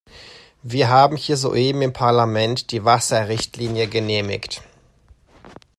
Wir haben hier soeben im Parlament die Wasserrichtlinie genehmigt.